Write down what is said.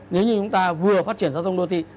nếu như chúng ta vừa phát triển giao thông đô thị